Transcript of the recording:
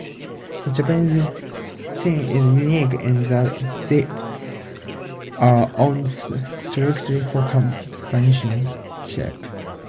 The Japanese Chin is unique in that they are owned strictly for companionship.